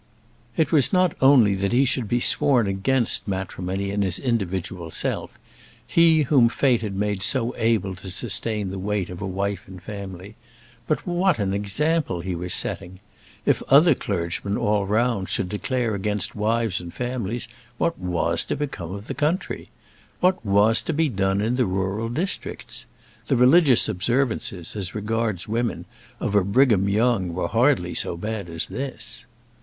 It was not only that he should be sworn against matrimony in his individual self he whom fate had made so able to sustain the weight of a wife and family; but what an example he was setting! If other clergymen all around should declare against wives and families, what was to become of the country? What was to be done in the rural districts? The religious observances, as regards women, of a Brigham Young were hardly so bad as this!